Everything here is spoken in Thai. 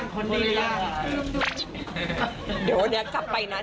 ก็มีค่ะช่อใหญ่ช่อใหญ่ช่อใหญ่อยู่